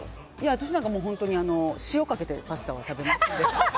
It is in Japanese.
私なんか、本当に塩かけてパスタは食べますので。